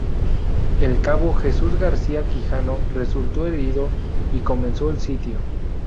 El cabo Jesús García Quijano resultó herido y comenzó el sitio.